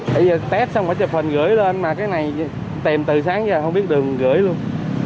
bây giờ test xong phải chụp hình gửi lên mà cái này tìm từ sáng giờ không biết đường gửi luôn